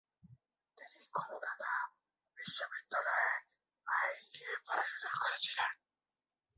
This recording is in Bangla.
তিনি কলকাতা বিশ্ববিদ্যালয়ে আইন নিয়ে পড়াশোনা করেছিলেন।